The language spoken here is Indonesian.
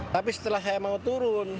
tapi setelah saya mau turun